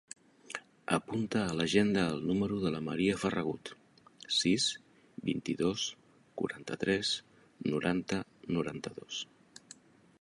Apunta a l'agenda el número de la Maria Ferragut: sis, vint-i-dos, quaranta-tres, noranta, noranta-dos.